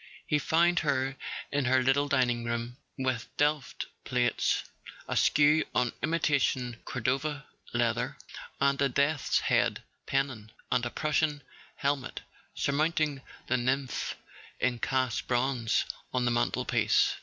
He found her in her little dining room, with Delft plates askew on imitation Cordova leather, and a Death's Head Pennon and a Prussian helmet surmount¬ ing the nymph in cast bronze on the mantelpiece.